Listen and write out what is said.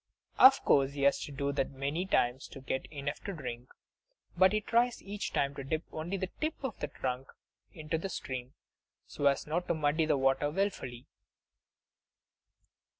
Of course he has to do that many times, to get enough to drink. But he tries each time to dip only the tip of the trunk into the stream, so as not to muddy the water willfully!